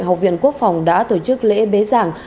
học viện quốc phòng đã tổ chức lễ bế giảng